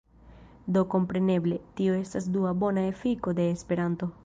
Do kompreneble, tio estas dua bona efiko de Esperanto.